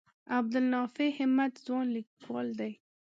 عبدالنافع همت ځوان لیکوال دی.